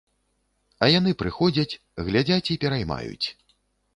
А яны прыходзяць, глядзяць і пераймаюць.